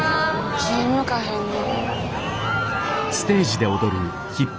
気ぃ向かへんな。